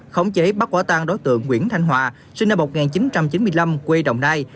khống chế bắt quả tang đối tượng nguyễn thanh hòa sinh năm một nghìn chín trăm chín mươi năm quê đồng nai